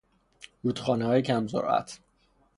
رودخانههای کم سرعت